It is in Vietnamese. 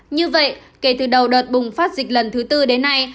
như vậy kể từ đầu đợt bùng phát dịch lần thứ tư đến nay